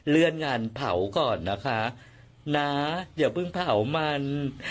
เลื่อนงานเผาก่อนนะคะน้าอย่าเพิ่งเผามัน